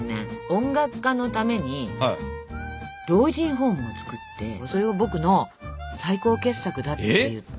音楽家のために老人ホームを造ってそれを僕の最高傑作だっていって。